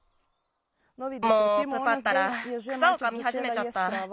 もうプパったら草をかみはじめちゃった。